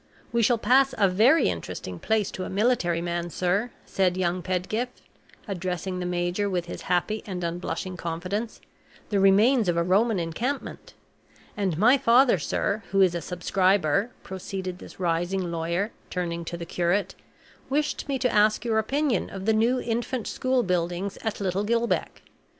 "We shall pass a very interesting place to a military man, sir," said young Pedgift, addressing the major, with his happy and unblushing confidence "the remains of a Roman encampment. And my father, sir, who is a subscriber," proceeded this rising lawyer, turning to the curate, "wished me to ask your opinion of the new Infant School buildings at Little Gill Beck.